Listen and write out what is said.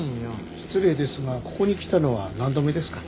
失礼ですがここに来たのは何度目ですかね？